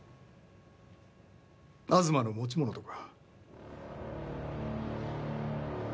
東の持ち物とか。